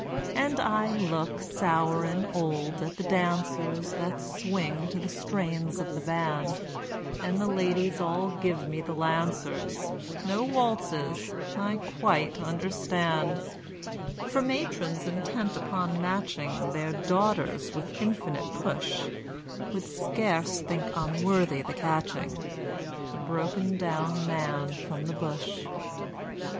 And I look, sour and old, at the dancers That swing to the strains of the band, And the ladies all give me the Lancers, No waltzes I quite understand. For matrons intent upon matching Their daughters with infinite push, Would scarce think him worthy the catching, The broken down man from the bush.